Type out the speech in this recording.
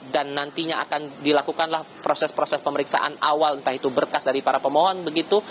dan nantinya akan dilakukanlah proses proses pemeriksaan awal entah itu berkas dari para pemohon begitu